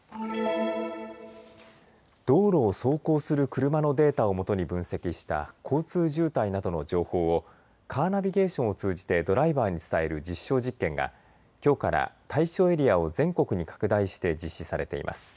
道路を走行する車のデータをもとに分析した交通渋滞などの情報をカーナビゲーションを通じてドライバーに伝える実証実験がきょうから対象エリアを全国に拡大して実施されています。